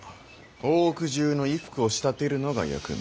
大奥中の衣服を仕立てるのが役目。